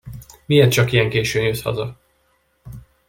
Miért csak ilyen későn jössz haza?